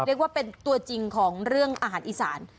เรียกว่าเป็นตัวจริงของเรื่องอาหารอีสาน